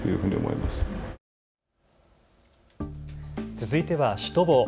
続いてはシュトボー。